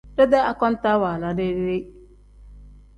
Dedee akontaa waala deyi-deyi.